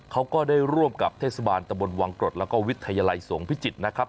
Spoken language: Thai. เขาก็ได้ร่วมกับเทศบาลตะบนวังกรดแล้วก็วิทยาลัยสงพิจิตรนะครับ